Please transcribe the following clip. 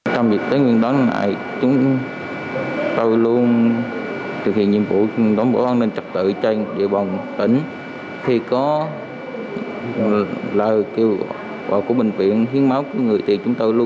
trong việc tới nguyên đón ngại chúng